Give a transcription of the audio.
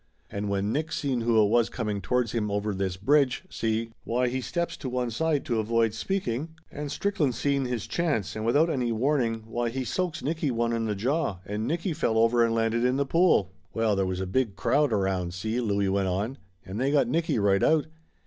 And when Nick seen who it was coming towards him over this bridge, see, why he steps to one side to avoid speaking, and Strickland seen his chance and without any warning, why he soaks Nicky one in the jaw and Nicky fell over and landed in the pool." "Well, there was a big crowd around, see?" Louie went on. "And they got Nicky right out.